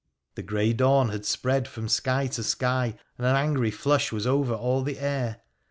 The grey dawn had spread from sky to sky, and an angry flush was over all the air.